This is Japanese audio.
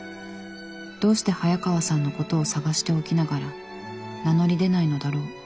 どうして早川さんのことを探しておきながら名乗り出ないのだろう。